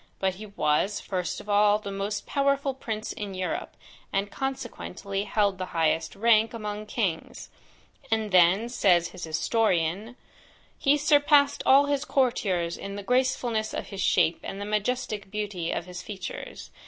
But he was, first of all, the most powerful prince in Europe, and consequently held the highest rank among kings; and then, says his historian, 'he surpassed all his courtiers in the gracefulness of his shape, and the majestic beauty of his features.